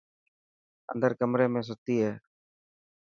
اندر ڪمري ۾ ستي هي.